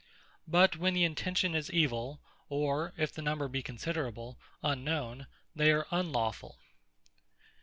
But when the Intention is evill, or (if the number be considerable) unknown, they are Unlawfull.